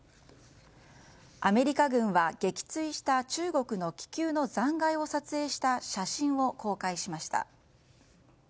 アメリカ軍は撃墜した中国の気球の残骸を撮影した写真を公開しました。